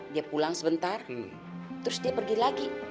dia pulang sebentar terus dia pergi lagi